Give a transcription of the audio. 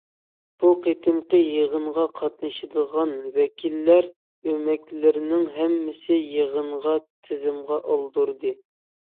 بۇ قېتىمقى يىغىنغا قاتنىشىدىغان ۋەكىللەر ئۆمەكلىرىنىڭ ھەممىسى يىغىنغا تىزىمغا ئالدۇردى.